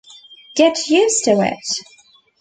Get used to it.